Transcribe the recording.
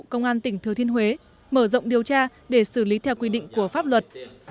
công an tỉnh thừa thiên huế mở rộng điều tra để xử lý theo quy định của pháp luật